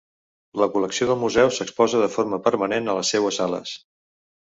La col·lecció del museu s'exposa de forma permanent a les seues sales.